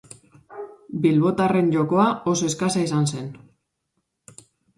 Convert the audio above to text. Bilbotarren jokoa oso eskasa izan zen.